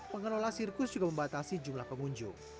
pengelola sirkus juga membatasi jumlah pengunjung